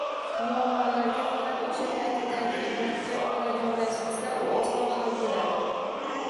Muammolarga faqat o‘sha paytdagi holatga ko‘ra yondoshilsa, u oson hal bo‘ladi.